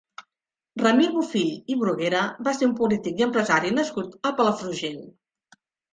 Ramir Bofill i Bruguera va ser un polític i empresari nascut a Palafrugell.